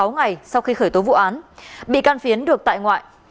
hai mươi sáu ngày sau khi khởi tố vụ án bị can phiến được tại ngoại